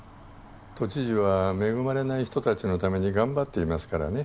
都知事は恵まれない人たちのために頑張っていますからね。